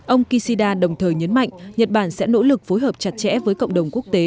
ông kishida đồng thời nhấn mạnh nhật bản sẽ nỗ lực phối hợp chặt chẽ với cộng đồng quốc tế